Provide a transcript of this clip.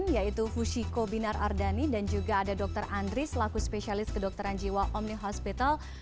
yaitu fushiko binar ardhani dan juga ada dr andri selaku spesialis kedokteran jiwa omni hospital